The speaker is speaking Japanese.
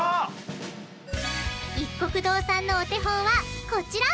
いっこく堂さんのお手本はこちら！